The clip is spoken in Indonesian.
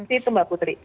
itu mbak putri